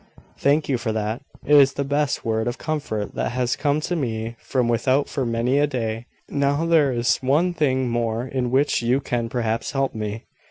"Thank you for that. It is the best word of comfort that has come to me from without for many a day. Now there is one thing more in which you can perhaps help me.